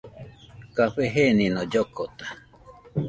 Café jenino llokota